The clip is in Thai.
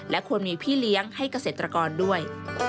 ควรมีพี่เลี้ยงให้เกษตรกรด้วย